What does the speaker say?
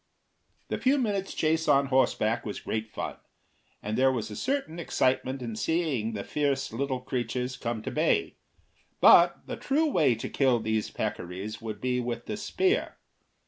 The few minutes' chase on horseback was great fun, and there was a certain excitement in seeing the fierce little creatures come to bay; but the true way to kill these peccaries would be with the spear.